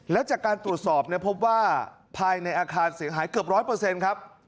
และจากการตรวจสอบพบว่าภายในอาคารเสียหายเกือบ๑๐๐ครับ